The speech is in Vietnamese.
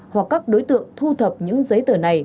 hoặc các đối tượng thu thập những giấy tờ này